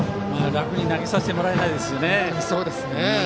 楽に投げさせてはもらえないですね。